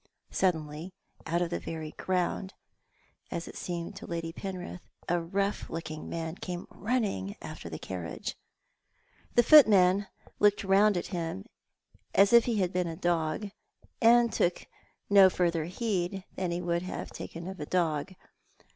Suddenly, out of the very ground, as it seemed to Lady Penrith, a rough looking man came running after the carriage. The footman looked round at him, as if he had been a dog, and took no further lieed than he would have taken of a dog.